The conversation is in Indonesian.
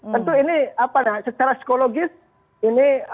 tentu ini apa ya secara psikologis ini